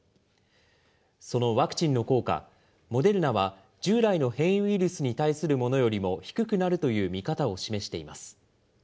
そのワクチンの効果、モデルナは、従来の変異ウイルスに対するものよりも低くなるという見方を示しています。